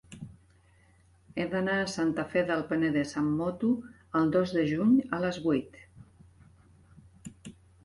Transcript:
He d'anar a Santa Fe del Penedès amb moto el dos de juny a les vuit.